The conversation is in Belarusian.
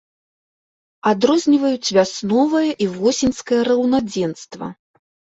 Адрозніваюць вясновае і восеньскае раўнадзенства.